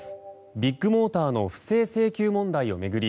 ビッグモーターの不正請求問題を巡り